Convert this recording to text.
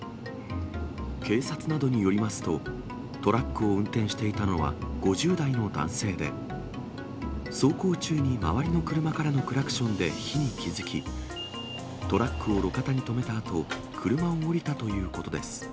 警察などによりますと、トラックを運転していたのは５０代の男性で、走行中に周りの車からのクラクションで火に気付き、トラックを路肩に止めたあと、車を降りたということです。